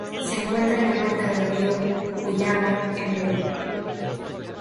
Se encuentran en la cuenca del río Huallaga, en Perú.